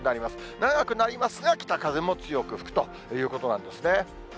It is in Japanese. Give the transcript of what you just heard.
長くなりますが、北風も強く吹くということなんですね。